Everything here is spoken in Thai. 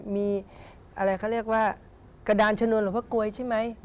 มีอะไรเขาเรียกว่ากระดานชนวนหลวงพ่อกลวยใช่ไหม